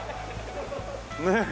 ねえ。